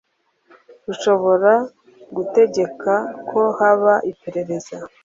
rushobora gutegeka ko haba iperereza